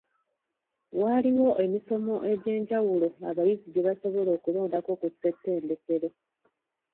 Waaliwo emisomo egy'enjawulo abayizi gye basobola okulondako ku Ssetendekero.